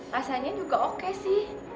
rasanya juga oke sih